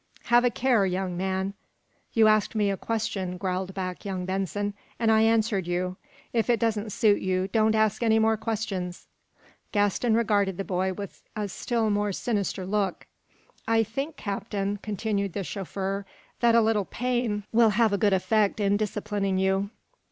"Have a care, young man!" "You asked me a question," growled back young Benson, "and I answered you. If it doesn't suit you, don't ask any more questions." Gaston regarded the boy with a still more sinister look. "I think, Captain," continued the chauffeur, "that a little pain will have a good effect in disciplining you."